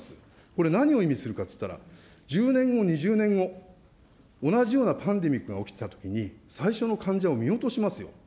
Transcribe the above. これ何を意味するかっていったら、１０年後、２０年後、同じようなパンデミックが起きたときに、最初の患者を見落としますよ。